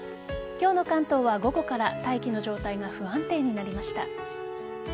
今日の関東は、午後から大気の状態が不安定になりました。